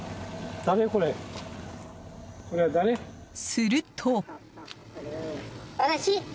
すると。